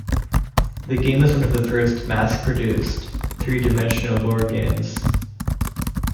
The game was one of the first mass-produced, three-dimensional board games.